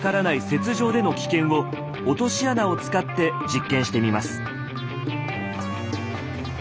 雪上での危険を落とし穴を使って実験してみます。